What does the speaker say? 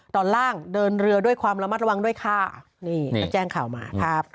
ตอนล่างเดินเรือด้วยความระมัดระวังด้วยค่ะนี่ก็แจ้งข่าวมาครับ